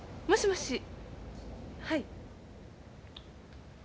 もしもし。